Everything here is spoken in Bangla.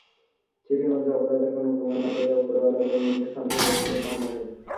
চিঠির মধ্যে অপরাধের কোনো প্রমাণ না পাইয়া উপরওয়ালাদের মন যে শান্ত হইয়াছিল তাহা নহে।